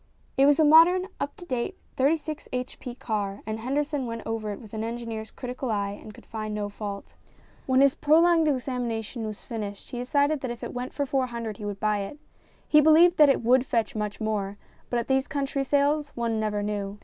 It was a modern, up to date, 36 h.p. car, and Henderson went over it with an engineer's critical eye and could find no fault. When his prolonged 230 STORIES IN GREY examination was finished he decided that if it went for 400 he would buy it. He believed that it would fetch much more, but at these country sales one never knew.